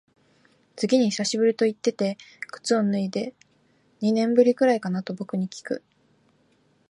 次に久しぶりと言ってて靴を脱いで、二年ぶりくらいかなと僕にきく。